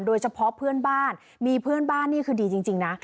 โดยเฉพาะเพื่อนบ้านมีเพื่อนบ้านนี่คือดีจริงนะ